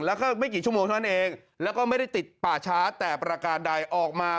แล้วก็ไม่กี่ชั่วโมงเท่านั้นเองแล้วก็ไม่ได้ติดป่าช้าแต่ประการใดออกมา